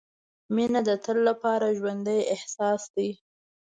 • مینه د تل لپاره ژوندی احساس دی.